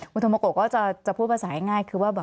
คุณธมโกะก็จะพูดภาษาง่าย